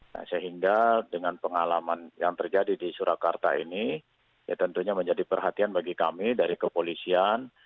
nah sehingga dengan pengalaman yang terjadi di surakarta ini ya tentunya menjadi perhatian bagi kami dari kepolisian